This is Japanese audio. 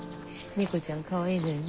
猫ちゃんかわいいのよね。